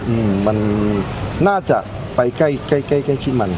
อืมมันน่าจะไปใกล้ใกล้ที่มัน